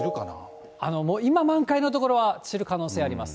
今満開の所は散る可能性があります。